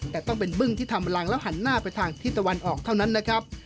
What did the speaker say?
แต่ต้องเป็นบึ้งที่ทำรังแล้วหันหน้าไปทางทิศตะวันออกเท่านั้นนะครับ